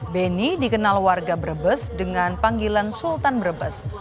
beni dikenal warga brebes dengan panggilan sultan brebes